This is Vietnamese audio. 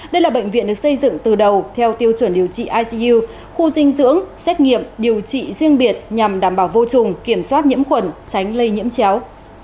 đây là bệnh viện được xây dựng từ đầu theo tiêu chuẩn điều trị icu khu dinh dưỡng xét nghiệm điều trị riêng biệt nhằm đảm bảo vô trùng kiểm soát nhiễm khuẩn tránh lây nhiễm chéo